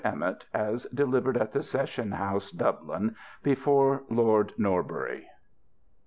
EMMET, AS DELIVERED AT THE SESSION HOUSE, DUBLIN, BEFORE LORD NORBURY.